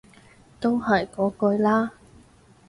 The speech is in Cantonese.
都係嗰句啦